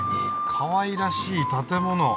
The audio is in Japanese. かわいらしい建物。